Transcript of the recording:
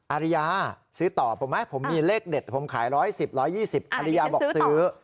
อาริยาซื้อต่อผมไหมผมมีเลขเด็ดผมขาย๑๑๐๑๒๐อริยาบอกซื้อ